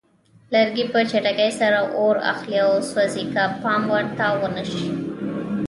لرګي په چټکۍ سره اور اخلي او سوځي که پام ورته ونه شي.